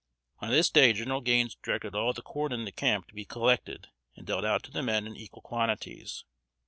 On this day, General Gaines directed all the corn in the camp to be collected and dealt out to the men in equal quantities.